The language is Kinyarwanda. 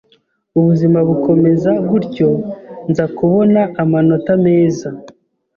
ubuzima bukomeza gutyo nza kubona amanota meza